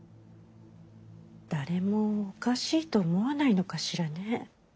誰もおかしいと思わないのかしらね。